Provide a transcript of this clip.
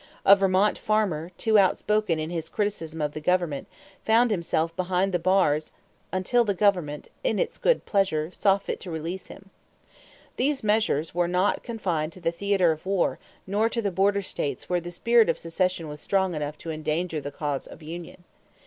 A Vermont farmer, too outspoken in his criticism of the government, found himself behind the bars until the government, in its good pleasure, saw fit to release him. These measures were not confined to the theater of war nor to the border states where the spirit of secession was strong enough to endanger the cause of union.